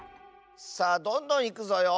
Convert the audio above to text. さあどんどんいくぞよ。